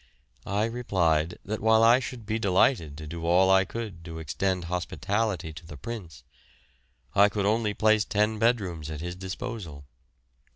I replied that, while I should be delighted to do all I could to extend hospitality to the Prince, I could only place ten bedrooms at his disposal.